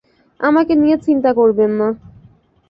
আমাকে নিয়ে চিন্তা করবেন না।